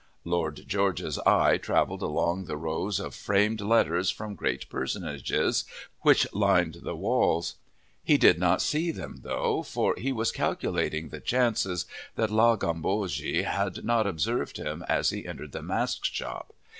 Lord George's eye travelled along the rows of framed letters from great personages, which lined the walls. He did not see them though, for he was calculating the chances that La Gambogi had not observed him as he entered the mask shop.